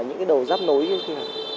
những cái đầu dắp nối